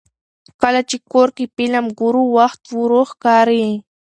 کله چې کور کې فلم ګورو، وخت ورو ښکاري.